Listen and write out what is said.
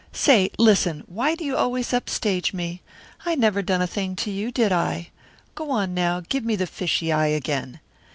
Say, listen, why do you always upstage me? I never done a thing to you, did I? Go on, now, give me the fishy eye again.